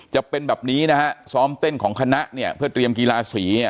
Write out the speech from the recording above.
จะเป็นแบบนี้นะฮะซ้อมเต้นของคณะเนี่ยเพื่อเตรียมกีฬาสี